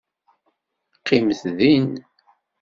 Qqimet din.